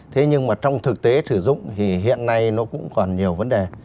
thế nhưng mà trong thực tế sử dụng thì hiện nay nó cũng còn nhiều vấn đề